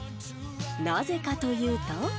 なぜかというと。